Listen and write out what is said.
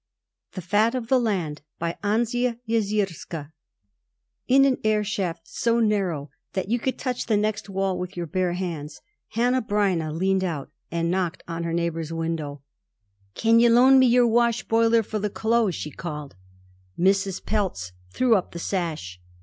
] BY ANZIA YEZIERSKA From The Century In an air shaft so narrow that you could touch the next wall with your bare hands, Hanneh Breineh leaned out and knocked on her neighbor's window. "Can you loan me your wash boiler for the clothes?" she called. Mrs. Pelz threw up the sash.